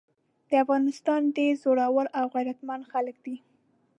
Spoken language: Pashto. د افغانستان ډير زړور او غيرتمن خلګ دي۔